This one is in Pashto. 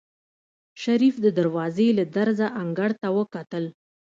شريف د دروازې له درزه انګړ ته وکتل.